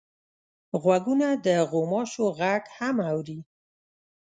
غوږونه د غوماشو غږ هم اوري